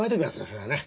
それはね。